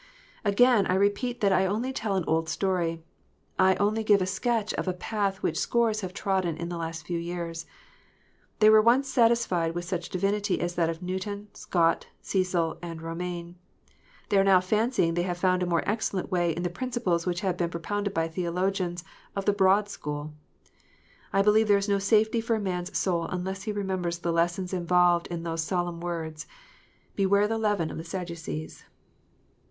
Again I repeat that I only tell an old story : I only give a sketch of a path which scores have trodden in the last few years. They were once satisfied with such divinity as that of Newton, Scott, Cecil, and Romaine ; they are now fancying they have found a more excellent way in the principles which have been propounded by theologians of the Broad school ! I believe there is no safety for a man s soul unless he remembers the lesson involved in those solemn words, "Beware of the leaven of the Sadducees."